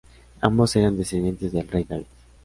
Ambos eran descendientes del rey David.